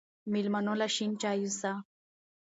مېلمنو له شين چای يوسه